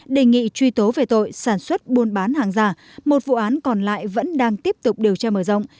đề nghị truy tố về tội sản xuất buôn bán hàng giả một vụ án còn lại vẫn đang tiếp tục điều tra mở rộng